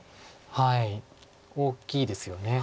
はい大きいですよね。